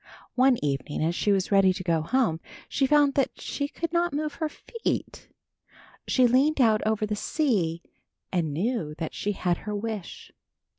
One evening as she was ready to go home, she found that she could not move her feet. She leaned out over the sea and knew that she had her wish.